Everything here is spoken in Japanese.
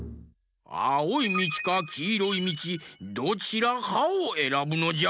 あおいみちかきいろいみちどちらかをえらぶのじゃ。